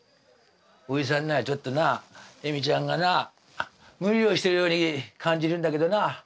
おじさんなちょっとなエミちゃんがな無理をしてるように感じるんだけどな。